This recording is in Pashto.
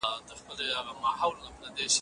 ایا احتکار په ټولنه کي ناوړه عمل دی؟